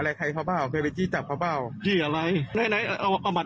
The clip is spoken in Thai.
นี่คุณผู้ชมมันงงซ้อนงง